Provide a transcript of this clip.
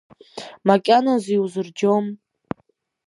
Макьаназы иузырџьом…